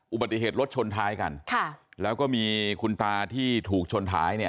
อุบัติเหตุรถชนท้ายกันค่ะแล้วก็มีคุณตาที่ถูกชนท้ายเนี่ย